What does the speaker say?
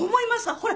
ほら。